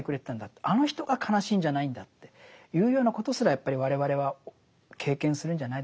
あの人が悲しいんじゃないんだっていうようなことすらやっぱり我々は経験するんじゃないでしょうか。